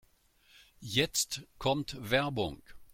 Jetzt kommt Werbung.